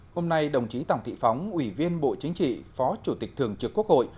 hôm nay đồng chí tổng thị phóng ủy viên bộ chính trị phó chủ tịch thường trực quốc hội